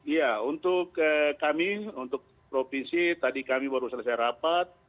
ya untuk kami untuk provinsi tadi kami baru selesai rapat